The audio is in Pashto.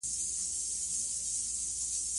غرونه د افغانستان د چاپیریال د مدیریت لپاره مهم دي.